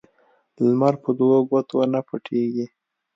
لمر په دوو ګوتو نه پټيږي.